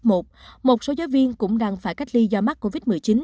một số giáo viên cũng đang phải cách ly do mắc covid một mươi chín